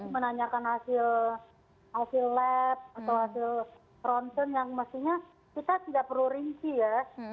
menanyakan hasil lab atau hasil fronsen yang mestinya kita tidak perlu rinci ya